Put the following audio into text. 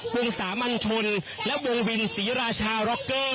วงสามัญชนและวงวินศรีราชาร็อกเกอร์